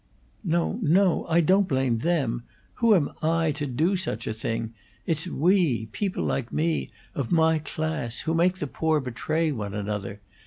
"No, no! I don't blame them. Who am I, to do such a thing? It's we people like me, of my class who make the poor betray one another.